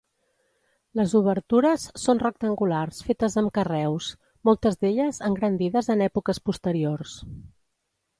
Les obertures són rectangulars fetes amb carreus, moltes d'elles engrandides en èpoques posteriors.